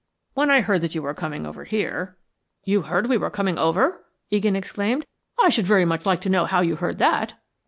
When I heard that you were coming over here " "You heard we were coming here?" Egan exclaimed. "I should very much like to know how you heard that."